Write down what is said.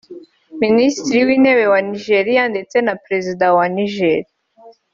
Minisitiri w’Intebe wa Nigeria ndetse na Perezida wa Niger